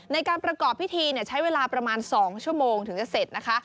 ในการประกอบพิธีใช้เวลาประมาณ๒ชั่วโมงถึงจะเสร็จนะคะ